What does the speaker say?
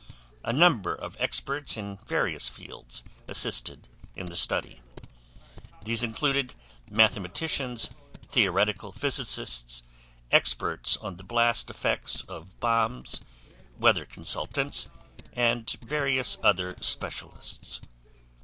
A number of experts in various fields assisted in the study. These included mathematicians, theoretical physicists, experts on the blast effects of bombs, weather consultants, and various other specialists.